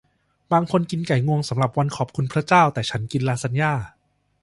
บางคนกินไก่งวงสำหรับวันขอบคุณพระเจ้า แต่ฉันกินลาซานญ่า